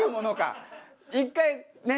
１回ねっ！